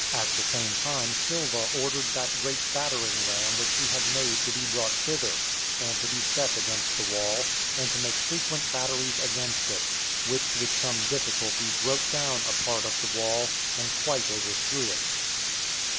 At the same time Silva ordered that great battering ram which he had made to be brought thither, and to be set against the wall, and to make frequent batteries against it, which with some difficulty broke down a part of the wall, and quite overthrew it.